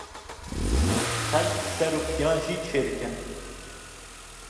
Xelk serûpêyan jî çêdikin.